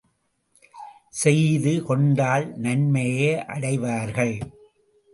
செய்து, கொண்டால் நன்மையே அடைவார்கள்.